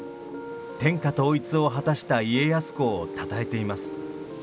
天下統一を果たした家康公をたたえています。